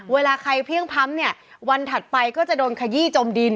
เวลาใครเพลี่ยงพ้ำเนี่ยวันถัดไปก็จะโดนขยี้จมดิน